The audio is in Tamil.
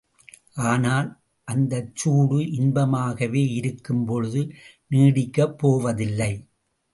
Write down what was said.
ஆனால் அந்தச் சூடு இன்பமாக இருக்கும் பொழுது, நீடிக்கப் போவதில்லை.